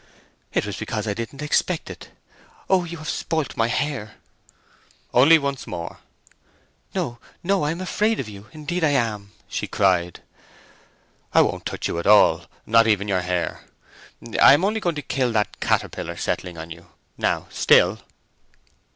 "It was because I didn't expect it. Oh, you have spoilt my hair!" "Only once more." "No—no! I am afraid of you—indeed I am!" she cried. "I won't touch you at all—not even your hair. I am only going to kill that caterpillar settling on you. Now: still!"